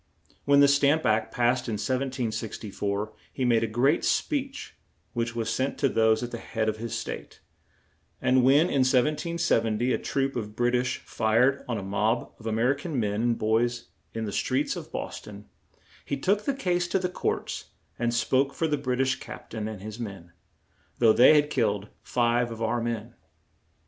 When the "Stamp Act" passed in 1764, he made a great speech, which was sent to those at the head of his State; and when, in 1770, a troop of Brit ish fired on a mob of A mer i can men and boys in the streets of Bos ton, he took the case to the courts, and spoke for the Brit ish Cap tain and his men, though they had killed five of our men.